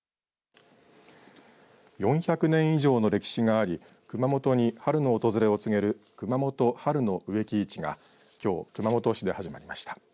４００年以上の歴史があり熊本に春の訪れを告げるくまもと春の植木市がきょう、熊本市で始まりました。